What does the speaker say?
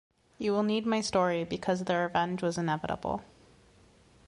You will need my story because the revenge was inevitable.